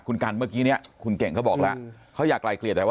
คุณกันเมื่อกี้เนี่ยคุณเก่งเขาบอกแล้วเขาอยากไกลเกลียดแต่ว่า